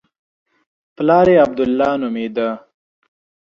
پلار یې عبدالله نومېده.